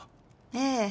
ええ。